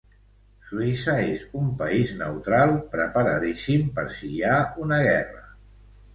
Suïssa és un país neutral preparadíssim per si hi ha una guerra.